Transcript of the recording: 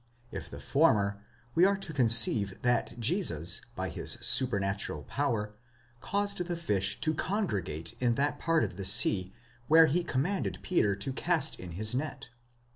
If the former, we are to conceive that Jesus by his super ᾿ natural power, caused the fish to congregate in that part of the sea where he commanded Peter to cast in his net.